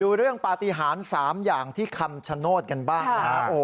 ดูเรื่องปฏิหาร๓อย่างที่คำชโนธกันบ้างนะฮะ